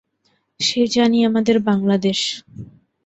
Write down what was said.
সে জমি আমাদের বাঙলা দেশ।